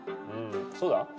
そうだ。